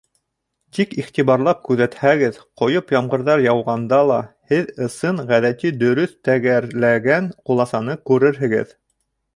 Тик иғтибарлап күҙәтһәгеҙ, ҡойоп ямғырҙар яуғанда ла һеҙ ысын, ғәҙәти, дөрөҫ тәгәрләгән ҡуласаны күрерһегеҙ.